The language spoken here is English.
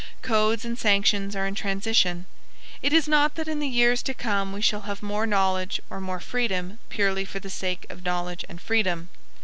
Codes and sanctions are in transition. It is not that in the years to come we shall have more knowledge or more freedom purely for the sake of knowledge and freedom.